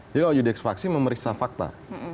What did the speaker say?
jadi kalau judex faksi memeriksa fakta